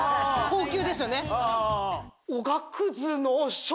高級ですよね。